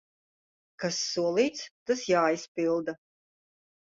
Kas solīts, tas jāizpilda.